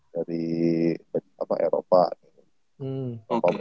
dari apa eropa gitu